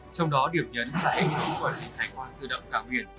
trong đó điểm nhấn tại ảnh hưởng của hải quan tự động cảng nguyện